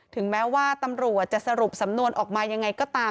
ถึงแม้ว่าตำรวจจะสรุปสำนวนออกมายังไงก็ตาม